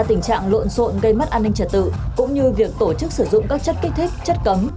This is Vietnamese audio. tình trạng lộn xộn gây mất an ninh trật tự cũng như việc tổ chức sử dụng các chất kích thích chất cấm